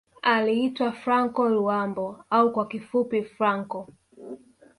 Aliitwa Franco Luambo au kwa kifupi Franco